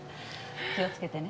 気をつけてね。